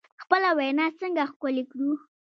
خپله وینا څنګه ښکلې کړو؟